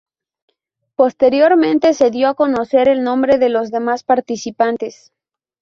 Posteriormente se dio a conocer el nombre de los demás participantes.